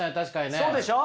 そうでしょう？